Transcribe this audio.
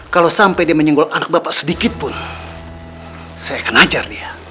kalau sampai dia menyenggol anak bapak sedikit pun saya akan ajar dia